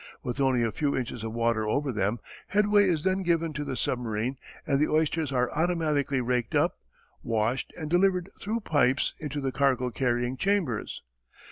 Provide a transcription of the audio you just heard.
With only a few inches of water over them, headway is then given to the submarine and the oysters are automatically raked up, washed, and delivered through pipes into the cargo carrying chambers.